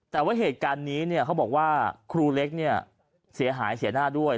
แต่ว่าเหตุการณ์นี้เนี่ยเขาบอกว่าครูเล็กเนี่ยเสียหายเสียหน้าด้วย